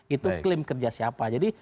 itu klaim kerja siapa jadi